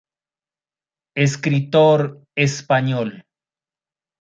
Escritor español.